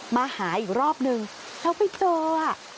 มาหาอีกรอบนึงแล้วไปเจออ่ะ